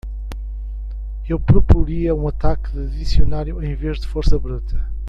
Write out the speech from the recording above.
Eu proporia um ataque de dicionário em vez de força bruta.